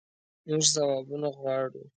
مونږ ځوابونه غواړو